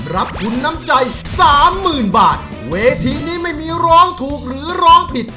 รับทุนน้ำใจสามหมื่นบาทเวทีนี้ไม่มีร้องถูกหรือร้องผิด